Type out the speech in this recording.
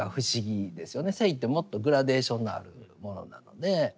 性ってもっとグラデーションのあるものなので。